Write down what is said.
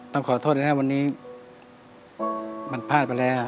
ต้องขอโทษนะครับวันนี้มันพลาดไปแล้ว